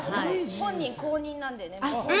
本人公認なので。